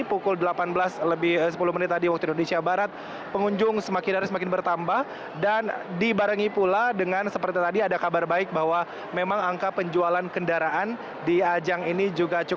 pukul delapan belas lebih sepuluh menit tadi waktu indonesia barat